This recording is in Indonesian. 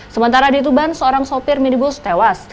sementara dituban seorang sopir minibus tewas